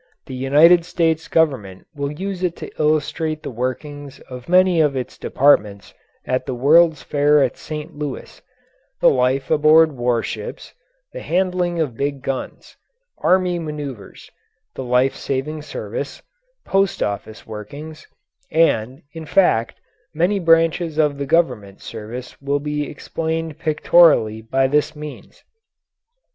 The United States Government will use it to illustrate the workings of many of its departments at the World's Fair at St. Louis: the life aboard war ships, the handling of big guns, army maneuvers, the life saving service, post office workings, and, in fact, many branches of the government service will be explained pictorially by this means.